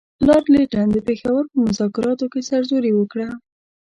لارډ لیټن د پېښور په مذاکراتو کې سرزوري وکړه.